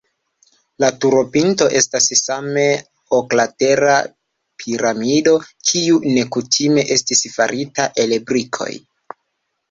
La turopinto estas same oklatera piramido, kiu nekutime estis farita el brikoj.